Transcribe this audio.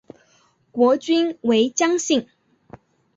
国君为姜姓。